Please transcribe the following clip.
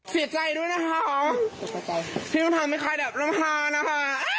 เสียใจด้วยนะคะพิวทำไม่ค่อยแบบรมฮานะคะ